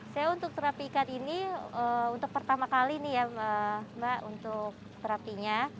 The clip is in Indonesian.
saya untuk terapi ikat ini untuk pertama kali nih ya mbak untuk terapinya